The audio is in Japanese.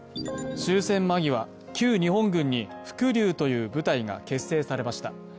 終戦間際、旧日本軍に伏龍という部隊が結成されました。